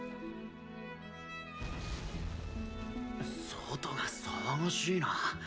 外が騒がしいな。